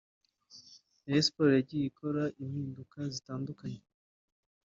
Rayon Sports yagiye ikora impinduka zitandukanye